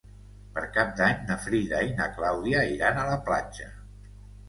Per Cap d'Any na Frida i na Clàudia iran a la platja.